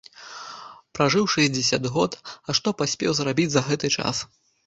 Пражыў шэсцьдзесят год, а што паспеў зрабіць за гэты час?